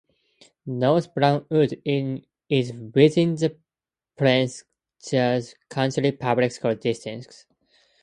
North Brentwood is within the Prince George's County Public Schools district.